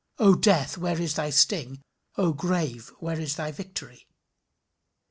O Death, where is thy sting? O Grave, where is thy victory?"